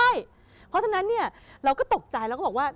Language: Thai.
เพราะฉะนั้นเนี่ยเราก็ตกใจแล้วก็บอกว่า